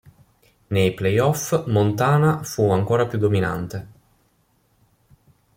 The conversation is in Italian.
Nei playoff, Montana fu ancora più dominante.